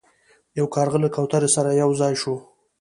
یو کارغه له کوترو سره یو ځای شو.